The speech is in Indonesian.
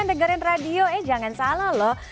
dengerin radio eh jangan salah loh